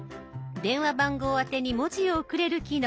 電話番号あてに文字を送れる機能。